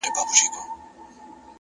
د وخت احترام د ژوند احترام دی.